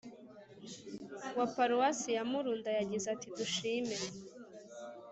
wa paruwasi ya murunda, yagize ati : dushime